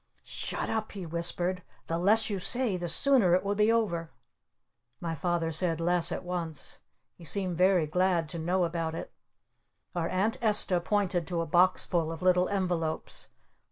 "Shut up!" he whispered. "The less you say the sooner it will be over!" My Father said less at once. He seemed very glad to know about it. Our Aunt Esta pointed to a boxful of little envelopes.